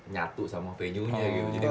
nyatu sama venuenya gitu